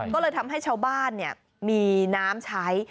ก็เลยทำให้ชาวบ้านมีน้ำใช้